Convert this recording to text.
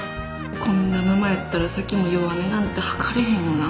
こんなママやったら咲妃も弱音なんて吐かれへんよな。